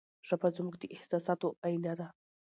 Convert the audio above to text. ژبه زموږ د احساساتو آینه ده.